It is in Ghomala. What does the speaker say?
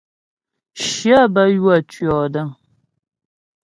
Shyə bə́ ywə̌ tʉ̂ɔdəŋ.